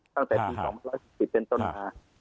ตั้งแต่ปี๒๔๐เป็นต้นมา